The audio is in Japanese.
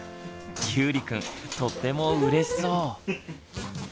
ゆうりくんとってもうれしそう！